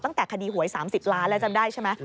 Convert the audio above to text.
ตั้งแต่คดีหวย๓๐ล้านแล้วจำได้ใช่ไหม